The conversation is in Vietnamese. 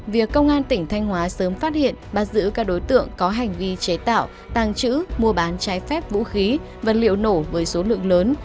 việc công an tỉnh thanh hóa sớm phát hiện bắt giữ các đối tượng có hành vi chế tạo tàng trữ mua bán trái phép vũ khí vật liệu nổ với số lượng lớn